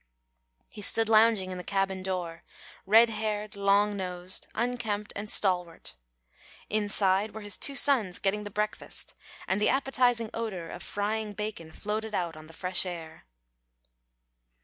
He stood lounging in the cabin door red haired, long nosed, unkempt, and stalwart. Inside were his two sons getting the breakfast, and the appetising odour of frying bacon floated out on the fresh air.